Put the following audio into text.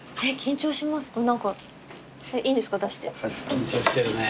緊張してるね。